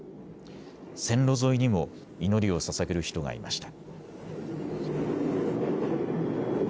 線路沿いにも祈りをささげる人がいました。